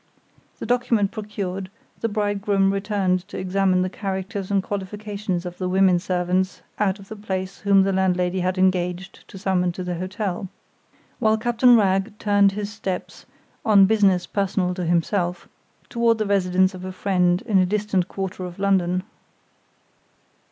The document procured, the bridegroom returned to examine the characters and qualifications of the women servants out of the place whom the landlady had engaged to summon to the hotel, while Captain Wragge turned his steps, "on business personal to himself," toward the residence of a friend in a distant quarter of London.